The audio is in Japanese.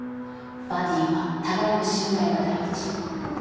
バディーは互いの信頼が第一。